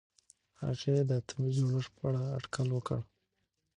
هغې د اتومي جوړښت په اړه اټکل وکړ.